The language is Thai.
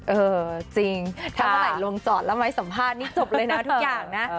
เออจริงถ้าเมื่อไหร่ลงจอดแล้วไม่สัมภาษณ์นี่จบเลยนะทุกอย่างนะ